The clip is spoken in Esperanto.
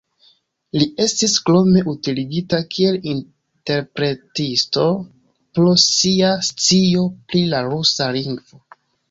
Li estis krome utiligita kiel interpretisto pro sia scio pri la rusa lingvo.